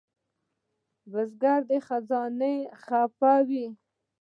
بزګر د خزان نه خفه وي